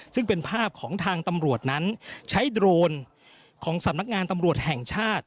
ซึ่งเป็นภาพของทางตำรวจนั้นใช้โดรนของสำนักงานตำรวจแห่งชาติ